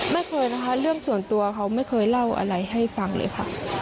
ไม่เคยนะคะเรื่องส่วนตัวเขาไม่เคยเล่าอะไรให้ฟังเลยค่ะ